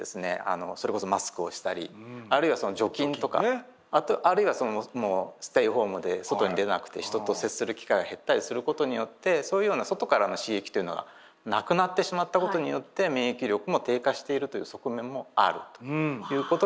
それこそマスクをしたりあるいは除菌とかあるいはもうステイホームで外に出なくて人と接する機会が減ったりすることによってそういうような外からの刺激というのがなくなってしまったことによって免疫力も低下しているという側面もあるということが言えると思います。